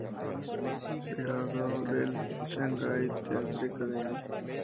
Se graduó del "Shanghai Theatre Academy".